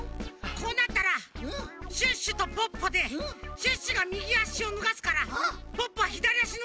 こうなったらシュッシュとポッポでシュッシュがみぎあしをぬがすからポッポはひだりあしぬがして。